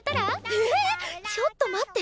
ええ⁉ちょっと待って！